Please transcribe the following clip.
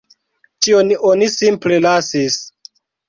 Tion oni simple lasis.